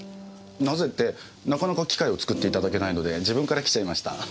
なぜってなかなか機会を作っていただけないので自分から来ちゃいました。